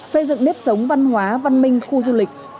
xây dựng nếp sống văn hóa văn minh khu du lịch